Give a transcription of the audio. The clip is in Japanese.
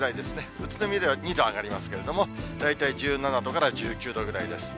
宇都宮では２度上がりますけれども、大体１７度から１９度ぐらいです。